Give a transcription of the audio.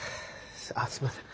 あすいません。